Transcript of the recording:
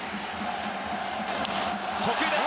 初球です。